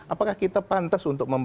apakah kita pantas untuk